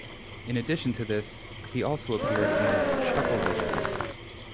In addition to this, he also appeared in "ChuckleVision".